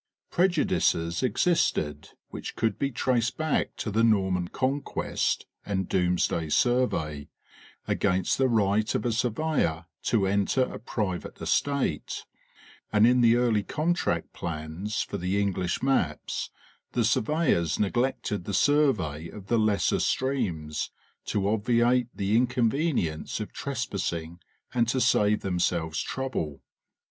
Prejudices existed, which could be traced back to the Norman conquest and Domesday Survey—against the right of a surveyor to enter a private estate, and in the early contract plans for the English maps the surveyors neglected the survey of the lesser streams, to obviate the inconvenience of trespassing and to save themselves trouble.